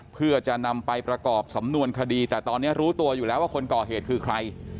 เพื่อจะนำไปประกอบสำนวนคดีแต่ตอนนี้รู้ตัวอยู่แล้วว่าคนก่อเหตุคือใคร